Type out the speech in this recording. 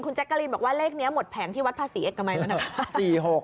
คุณแจ๊กกะรินบอกว่าเลขนี้หมดแผงที่วัดพระศรีเอกมัยแล้วนะคะ